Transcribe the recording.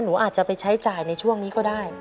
หนูอาจจะไปใช้จ่ายในช่วงนี้ก็ได้